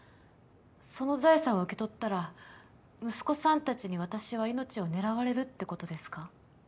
その財産を受け取ったら息子さんたちに私は命を狙われるってことですか？